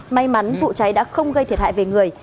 may mắn vụ cháy đã không gây thiệt hại về người